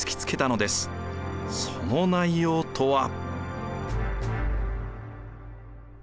その内容とは。